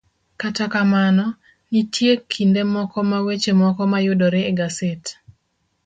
Kata kamano, nitie kinde moko ma weche moko mayudore e gaset